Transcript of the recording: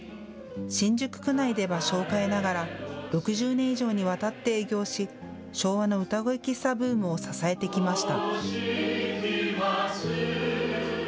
新宿区内で場所を変えながら６０年以上にわたって営業し昭和の歌声喫茶ブームを支えてきました。